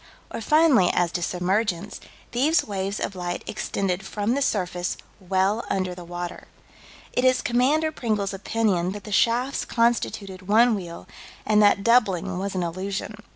Or finally as to submergence "These waves of light extended from the surface well under the water." It is Commander Pringle's opinion that the shafts constituted one wheel, and that doubling was an illusion.